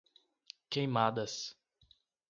Queimadas